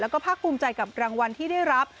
และภาคกลุ้มใจกับรางวัลที่ได้รับ